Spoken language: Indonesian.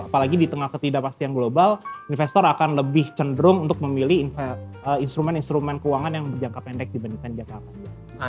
apalagi di tengah ketidakpastian global investor akan lebih cenderung untuk memilih instrumen instrumen keuangan yang berjangka pendek dibandingkan jakarta